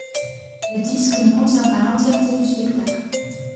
Le disque ne contient pas l'entièreté du spectacle.